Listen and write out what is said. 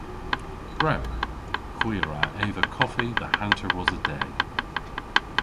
Gwrewgh! Hwi a wra eva koffi dhe hanter wosa deg.